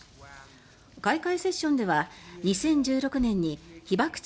開会セッションでは２０１６年に被爆地